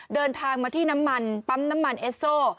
เดินทางมาที่น้ำมันปั๊มน้ำมันเอสโซ